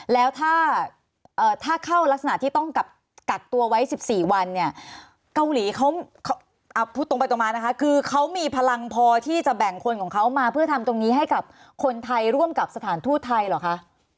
แล้วถ้าเข้ารักษณะที่ต้องกักตัวไว้๑๔วันเนี่ยเกาหลีเขาพูดตรงไปตรงมานะคะคือเขามีพลังพอที่จะแบ่งคนของเขามาเพื่อทำตรงนี้ให้กับคนไทยร่วมกับสถานทูตไทยเหรอคะ